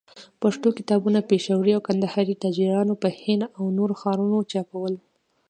پښتو کتابونه، پېښوري او کندهاري تاجرانو په هند او نورو ښارو چاپول.